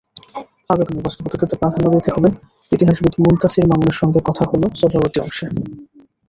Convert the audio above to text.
আবেগ নয়, বাস্তবতাকে প্রাধান্য দিতে হবেইতিহাসবিদ মুনতাসীর মামুনের সঙ্গে কথা হলো সোহরাওয়ার্দী অংশে।